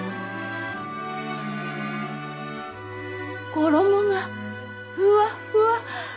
衣がふわっふわ。